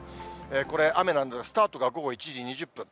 これ、雨なんですが、スタートが午後１時２０分。